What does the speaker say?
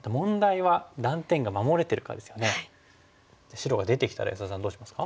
白が出てきたら安田さんどうしますか？